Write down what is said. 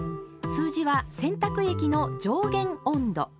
数字は「洗濯液の上限温度」。